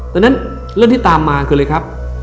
ดังนั้นเรื่องที่ตามมาคืออะไรครับ